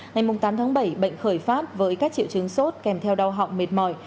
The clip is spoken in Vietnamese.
ngày tám tháng bảy bệnh khởi phát với các triệu chứng sốt kèm theo đau họng mệt mỏi